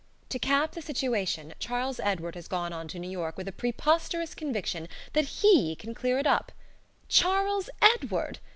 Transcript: To cap the situation, Charles Edward has gone on to New York with a preposterous conviction that HE can clear it up.... CHARLES EDWARD!